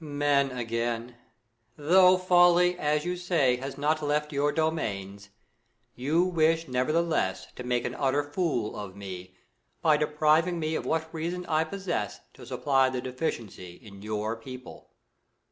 Moon. Men^ again ! Though folly, as you say, has not left your domains, you wish nevertheless to make an utter fool of me, by depriving me of what reason I pos sess, to supply the deficiency in your people.